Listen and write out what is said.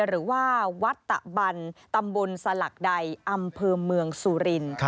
หรือว่าวัดตะบันตำบลสลักใดอำเภอเมืองสุรินทร์